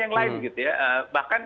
yang lain gitu ya bahkan